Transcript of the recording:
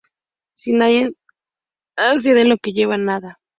Si nadie atiende no se lleva nada.